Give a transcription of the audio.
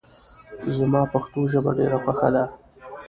زما پښتو ژبه ډېره خوښه ده